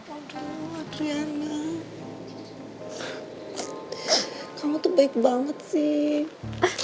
aduh adriana kamu tuh baik banget sih